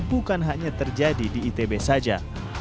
bukan hanya terjadi di itb saja